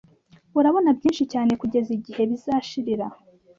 Urabona byinshi cyane kugeza igihe bizashirira